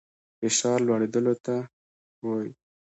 فشار لوړېدلو ته وايي.